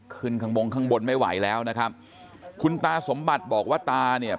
ข้างบงข้างบนไม่ไหวแล้วนะครับคุณตาสมบัติบอกว่าตาเนี่ย